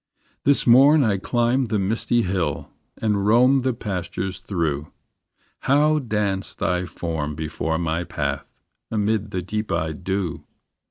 This morn I climbed the misty hill And roamed the pastures through; How danced thy form before my path Amidst the deep eyed dew!